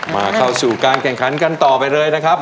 เข้าสู่การแข่งขันกันต่อไปเลยนะครับ